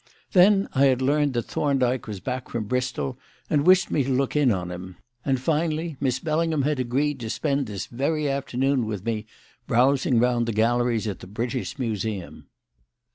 Then, I had learned that Thorndyke was back from Bristol and wished me to look in on him; and, finally, Miss Bellingham had agreed to spend this very afternoon with me, browsing round the galleries at the British Museum.